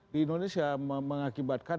di indonesia mengakibatkan